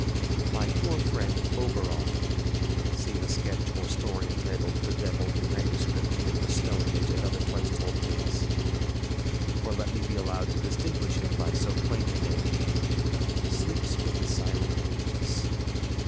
My poor friend ŌĆ£OberonŌĆØ [See the sketch or story entitled ŌĆ£The Devil in Manuscript, ŌĆØ in ŌĆ£The Snow Image, and other Twice Told Tales.ŌĆØ] for let me be allowed to distinguish him by so quaint a name sleeps with the silent ages.